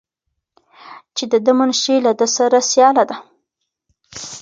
چې د ده منشي له ده سره سیاله ده.